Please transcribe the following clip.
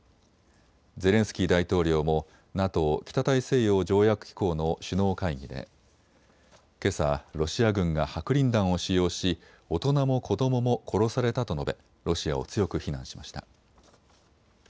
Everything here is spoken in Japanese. ゼレンスキー大統領もＮＡＴＯ・北大西洋条約機構の首脳会議でけさ、ロシア軍が白リン弾を使用し、大人も子どもも殺されたと述べロシアを強く非難しました。